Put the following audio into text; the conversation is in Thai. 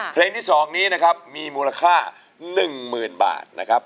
เพลงที่๒นี้นะครับมีมูลค่า๑๐๐๐บาทนะครับ